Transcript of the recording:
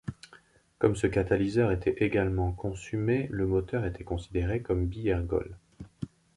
Comme ce catalyseur était également consumé, le moteur était considéré comme bi-ergol.